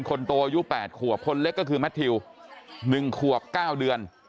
คนโตอายุ๘ขวบคนเล็กก็คือแมททิว๑ขวบ๙เดือน